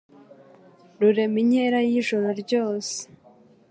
Rurema inkera y' ijoro ryose,